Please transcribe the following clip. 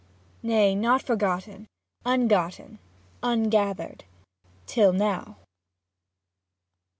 Nay, not forgotten, ungotten, Ungathered (till now).